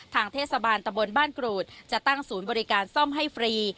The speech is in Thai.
ทางเทศบาลตะบนบ้านกรูดจะตั้งศูนย์บริการซ่อมให้ฟรี